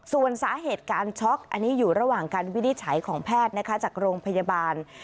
ส่วนสาเหตุการช็อกอันนี้อยู่ระหว่างการวินิจฉัยของแพทย์นะคะจากโรงพยาบาล